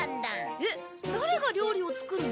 えっ誰が料理を作るの？